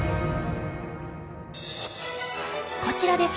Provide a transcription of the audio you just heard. こちらです。